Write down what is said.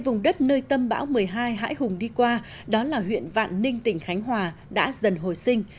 vùng đất nơi tâm bão một mươi hai hãi hùng đi qua đó là huyện vạn ninh tỉnh khánh hòa đã dần hồi sinh